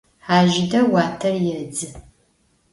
Hejjide vuater yêdzı.